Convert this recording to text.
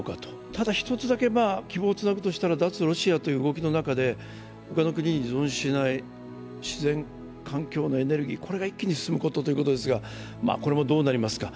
ただ１つだけ希望をつなぐとしたら脱ロシアという動きの中で他の国に依存しない、自然環境のエネルギーが一気に進むことということですが、まあ、これもどうなりますか。